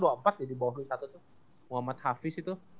di bawah satu tuh muhammad hafiz itu